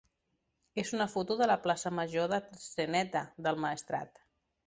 és una foto de la plaça major d'Atzeneta del Maestrat.